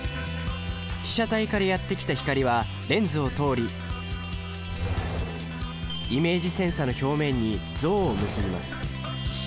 被写体からやって来た光はレンズを通りイメージセンサの表面に像を結びます。